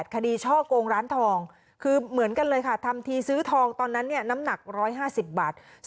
คดีช่อกงร้านทองคือเหมือนกันเลยค่ะทำทีซื้อทองตอนนั้นน้ำหนัก๑๕๐บาท